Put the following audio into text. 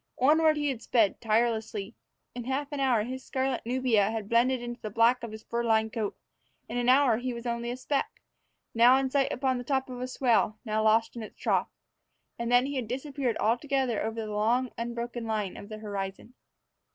Onward he had sped, tirelessly. In half an hour his scarlet nubia had blended into the black of his fur lined coat; in an hour he was only a speck, now in sight upon the top of a swell, now lost in its trough. And then he had disappeared altogether over the long, unbroken line of the horizon.